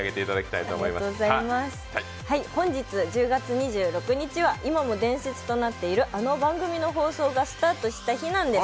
本日１０月２６日は今も伝説となっているあの番組の放送がスタートした日なんです。